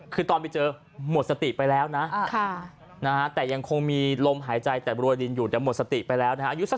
คือตอนไปเจอ